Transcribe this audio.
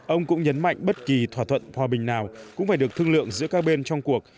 ông cũng nhấn mạnh bất kỳ thỏa thuận hòa bình nào cũng phải được thương lượng giữa các bên trong cuộc